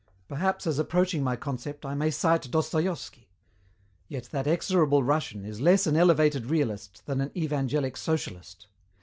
Perhaps as approaching my concept I may cite Dostoyevsky. Yet that exorable Russian is less an elevated realist than an evangelic socialist.